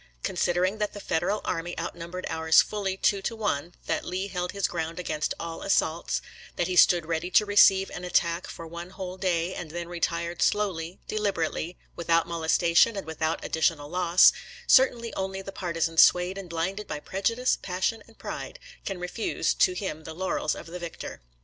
Considering that the Federal army outnumbered ours fully two to one, that Lee held his ground against all as saults, that he stood ready to receive an attack for one whole day, and then retired slowly, de liberately, without molestation and without ad ditional loss, certainly only the partisan swayed and blinded by prejudice, passion, and pride can refuse to him the laurels of the victor.